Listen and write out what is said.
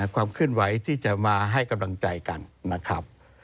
ความเคลื่อนไหวที่จะมาให้กำลังใจกันนะครับ